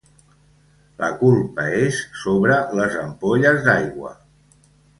La culpa és sobre les ampolles d'aigua.